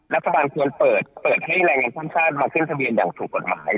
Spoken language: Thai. รัฐบาลควรเปิดให้แรงงานข้ามชาติมาขึ้นทะเบียนอย่างถูกกฎหมาย